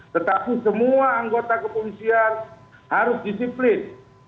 tetapi semua anggota kepolisian harus disiplin